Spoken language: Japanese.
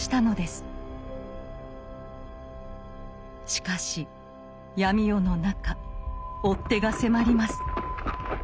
しかし闇夜の中追っ手が迫ります。